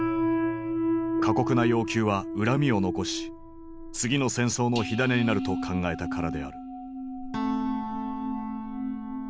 過酷な要求は恨みを残し次の戦争の火種になると考えたからである。